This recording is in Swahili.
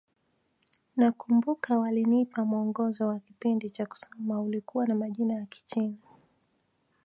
Nakumbuka walinipa mwongozo wa kipindi wa kusoma ulikuwa na majina ya Kichina